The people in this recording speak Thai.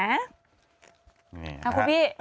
เอาคุณพี่